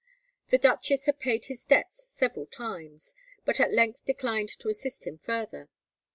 The duchess had paid his debts several times, but at length declined to assist him further.